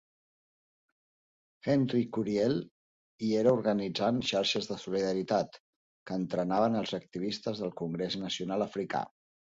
Henri Curiel hi era organitzant "xarxes de solidaritat", que entrenaven als activistes del Congrés Nacional Africà.